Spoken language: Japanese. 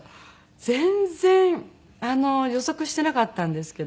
全然予測してなかったんですけど。